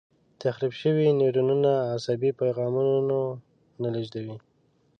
تخریب شوي نیورونونه عصبي پیغامونه نه لېږدوي.